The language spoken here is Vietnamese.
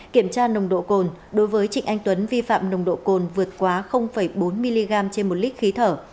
kiểm tra nồng độ cồn đối với trịnh anh tuấn vi phạm nồng độ cồn vượt quá bốn mg trên một lít khí thở